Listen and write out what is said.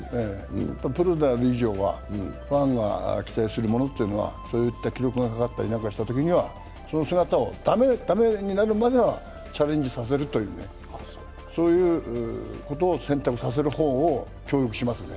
プロである以上は、ファンが期待するものというのは、そういった記録がかかったりなんかしたときはその姿を、だめになるまでチャレンジさせるという、そういうことを選択させる方を協力しますね。